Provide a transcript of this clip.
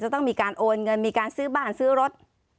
ต้องมีการโอนเงินมีการซื้อบ้านซื้อรถ